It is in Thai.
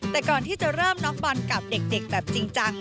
แต่ก่อนที่จะเริ่มน็อกบอลกับเด็กแบบจริงจัง